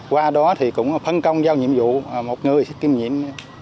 qua đó thì cũng phân công giao nhiệm vụ một người kiêm nhiệm